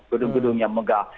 gedung gedung yang megah